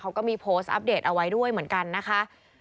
เขาก็มีโพสต์อัปเดตเอาไว้ด้วยเหมือนกันนะคะ